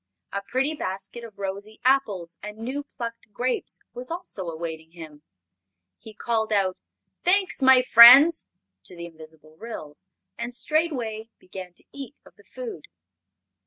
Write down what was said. A pretty basket of rosy apples and new plucked grapes was also awaiting him. He called out "Thanks, my friends!" to the invisible Ryls, and straightway began to eat of the food.